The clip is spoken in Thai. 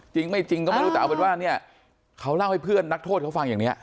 จริงไม่จริงก็ไม่รู้แต่เอาเป็นว่าเนี่ยเขาเล่าให้เพื่อนนักโทษเขาฟังอย่างนี้